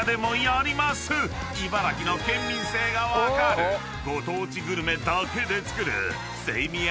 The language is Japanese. ［茨城の県民性が分かるご当地グルメだけで作る］